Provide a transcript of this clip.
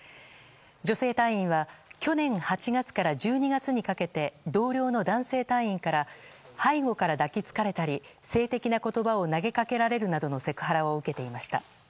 女性隊員は去年８月から１２月にかけて同僚の男性隊員から背後から抱きつかれたり性的な言葉を投げかけられるなどのセクハラを受けていました。